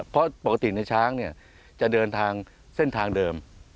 เพราะปกติในช้างจะเดินทางเส้นทางเดิม